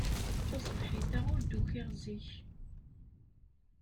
Taṣebḥit-a ur d-ukiɣ zik.